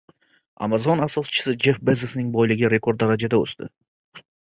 Amazon asoschisi Jeff Bezosning boyligi rekord darajada o‘sdi